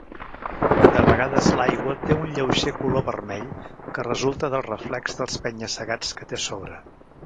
De vegades l'aigua té un lleuger color vermell, que resulta del reflex dels penya-segats que té a sobre.